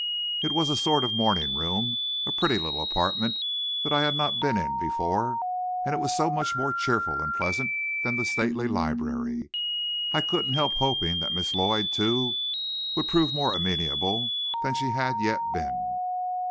It was a sort of morning room, a pretty little apartment that I had not been in before; and it was so much more cheerful and pleasant than the stately library, I couldn't help hoping that Miss Lloyd, too, would prove more amenable than she had yet been.